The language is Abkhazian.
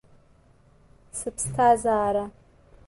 Сыԥсҭазаара.